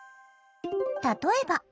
例えば。